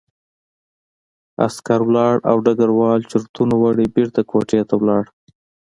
عسکر لاړ او ډګروال چورتونو وړی بېرته کوټې ته لاړ